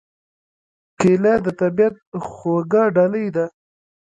کېله د طبیعت خوږه ډالۍ ده.